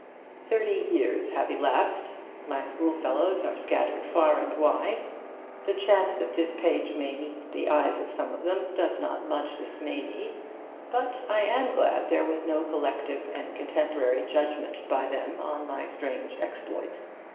Thirty years have elapsed, my school fellows are scattered far and wide, the chance that this page may meet the eyes of some of them does not much dismay me; but I am glad there was no collective and contemporary judgment by them on my strange exploit.